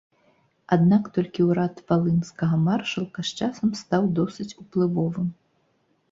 Аднак толькі ўрад валынскага маршалка з часам стаў досыць уплывовым.